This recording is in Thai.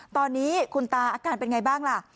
ตอนนี้คุณตาอาการเป็นไงบ้างล่ะ